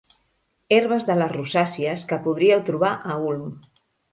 Herbes de les rosàcies que podríeu trobar a Ulm.